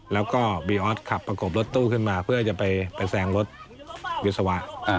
แล้วก็บีออสขับประกบรถตู้ขึ้นมาเพื่อจะไปแซงรถวิศวะ